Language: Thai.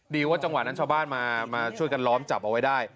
ว่าจังหวะนั้นชาวบ้านมาช่วยกันล้อมจับเอาไว้ได้